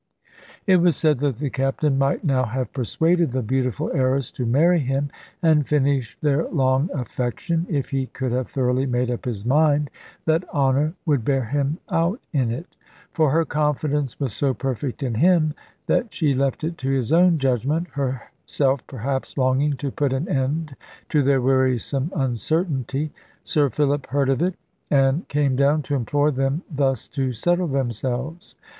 It was said that the Captain might now have persuaded the beautiful heiress to marry him, and finish their long affection, if he could have thoroughly made up his mind that honour would bear him out in it. For her confidence was so perfect in him, that she left it to his own judgment, herself perhaps longing to put an end to their wearisome uncertainty. Sir Philip heard of it, and came down, to implore them thus to settle themselves.